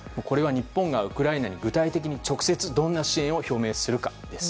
日本がウクライナに具体的に直接どんな支援を表明するかです。